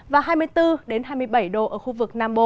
và hai mươi bốn hai mươi bảy độ ở khu vực nam bộ